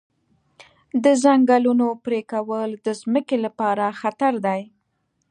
د ځنګلونو پرېکول د ځمکې لپاره خطر دی.